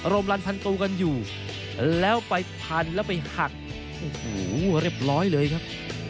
มรันพันตัวกันอยู่แล้วไปพันแล้วไปหักโอ้โหเรียบร้อยเลยครับ